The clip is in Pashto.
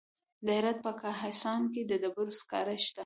د هرات په کهسان کې د ډبرو سکاره شته.